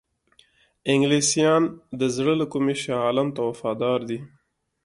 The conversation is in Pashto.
انګلیسیان د زړه له کومي شاه عالم ته وفادار دي.